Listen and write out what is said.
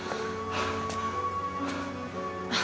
ああ。